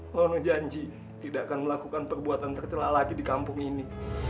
mohon janji tidak akan melakukan perbuatan tercelak lagi di kampung ini